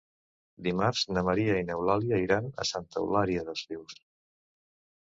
Dimarts na Maria i n'Eulàlia iran a Santa Eulària des Riu.